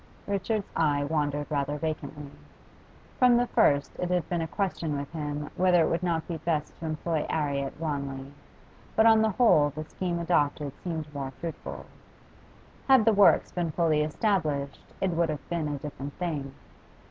Richard's eye wandered rather vacantly. From the first it had been a question with him whether it would not be best to employ 'Arry at Wanley, but on the whole the scheme adopted seemed more fruitful. Had the works been fully established it would have been a different thing.